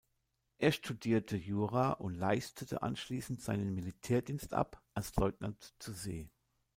Er studierte Jura und leistete anschließend seinen Militärdienst ab als Leutnant zur See.